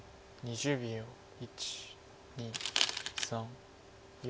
１２３４。